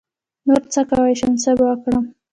نـور څه کوی شم څه به وکړم.